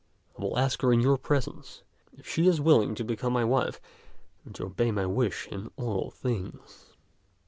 I will ask her in your presence if she is willing to become my wife and to obey my wish in all things."